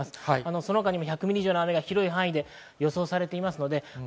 そのほか、１００ミリ以上の雨が広い範囲で予想されています。